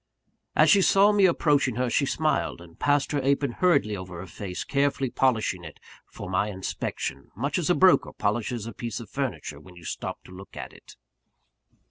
As she saw me approaching her, she smiled; and passed her apron hurriedly over her face carefully polishing it for my inspection, much as a broker polishes a piece of furniture when you stop to look at it.